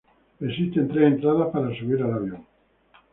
Existen tres entradas para subir al avión.